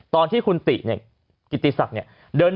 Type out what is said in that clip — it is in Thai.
ตอนที่คุณติเนี่ยกิติศักดิ์เนี่ย